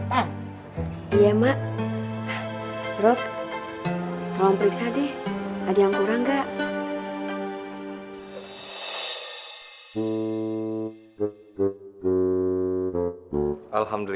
bukannya pas lu yang kecopetan